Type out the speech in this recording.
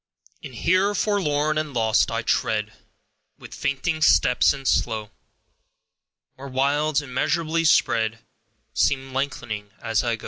And here, forlorn and lost, I tread, With fainting steps, and slow; Where wilds, immeasurably spread, Seem length'ning as I go.